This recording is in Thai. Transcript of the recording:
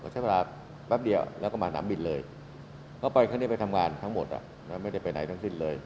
ใช้เวลาแป๊บเดียวก็มานำบินเลยเขาไปทำงานทั้งหมดไม่ได้ไปไหนทั้งสิ้นเลย